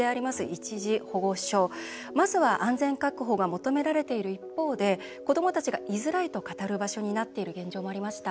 一時保護所、まずは安全確保が求められている一方で子どもたちが居づらいと語る場所になっている現状もありました。